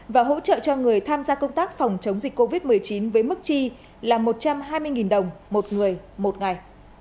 và hỗ trợ cho người tham gia công tác phòng chống dịch covid một mươi chín với mức chi là một trăm hai mươi đồng một người một ngày